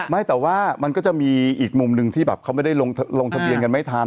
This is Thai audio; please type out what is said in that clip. ไม่แต่ว่ามันก็จะมีอีกมุมหนึ่งที่แบบเขาไม่ได้ลงทะเบียนกันไม่ทัน